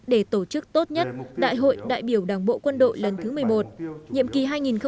để tổ chức tốt nhất đại hội đại biểu đảng bộ quân đội lần thứ một mươi một nhiệm kỳ hai nghìn hai mươi hai nghìn hai mươi năm